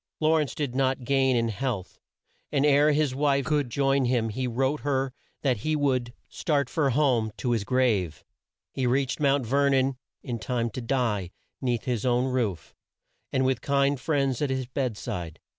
Law rence did not gain in health, and ere his wife could join him he wrote her that he would start for home "to his grave." He reached Mount Ver non in time to die 'neath his own roof, and with kind friends at his bed side.